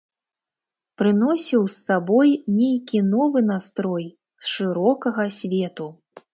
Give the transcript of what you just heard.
Прыносіў з сабой нейкі новы настрой з шырокага свету.